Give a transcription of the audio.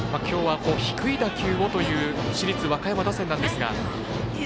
きょうは、低い打球をという市立和歌山打線ですが。